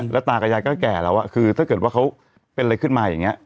แล้วตากับยายก็แก่แล้วคือถ้าเกิดว่าเขาเป็นอะไรขึ้นมาอย่างนี้